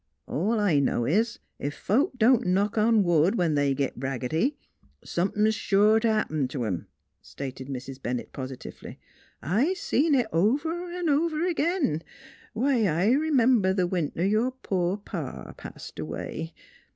" All I know is, ef folks don't knock on wood, when they git braggity, somethin's sure t' happen t' 'em," stated Mrs. Bennett positively. " I seen it over 'n' over agin. Why, I r'member th' winter your poor pa passed away.